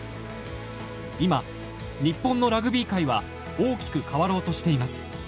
今日本のラグビー界は大きく変わろうとしています。